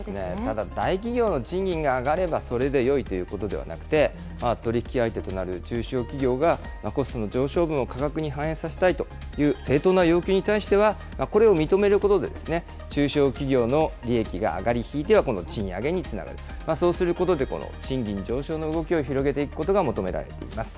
ただ、大企業の賃金が上がれば、それでよいということではなくて、取り引き相手となる中小企業が、コストの上昇分を価格に反映させたいという正当な要求に対しては、これを認めることで、中小企業の利益が上がり、ひいてはこの賃上げにつながる、そうすることで、この賃金上昇の動きを広げていくことが求められています。